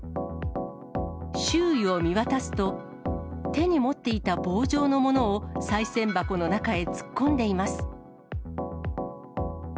周囲を見渡すと、手に持っていた棒状のものをさい銭箱の中へ突っ込んでいます。